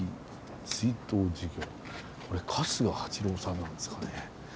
これ春日八郎さんなんですかね。